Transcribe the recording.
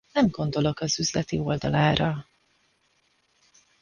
Nem gondolok az üzleti oldalára.